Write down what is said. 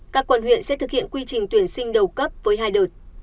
các quận huyện sẽ thực hiện quy trình tuyển sinh đầu cấp với hai đợt